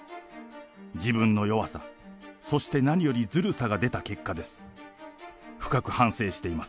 自分の弱さ、そして何よりずるさが出た結果です。